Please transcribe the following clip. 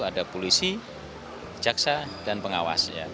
ada polisi jaksa dan pengawas